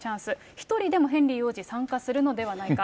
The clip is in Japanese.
１人でもヘンリー王子、参加するのではないか。